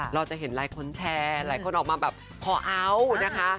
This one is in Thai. เราจะเห็นหลายคนแชร์หลายคนออกมาขอเอา